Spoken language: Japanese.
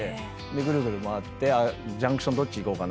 ぐるぐる回ってジャンクションどっち行こうかな？